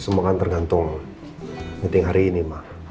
semoga kan tergantung meeting hari ini ma